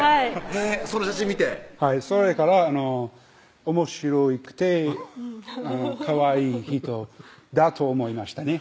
へぇその写真見てそれからおもしろいくてかわいい人だと思いましたね